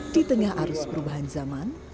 di tengah arus perubahan zaman